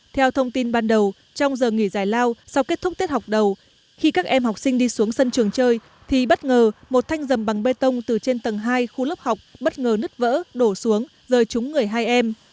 theo thông tin ban đầu trong giờ nghỉ giải lao sau kết thúc tiết học đầu khi các em học sinh đi xuống sân trường chơi thì bất ngờ một thanh dầm bằng bê tông từ trên tầng hai khu lớp học bất ngờ nứt vỡ đổ xuống rời trúng người hai em